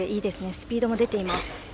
スピードも出ています。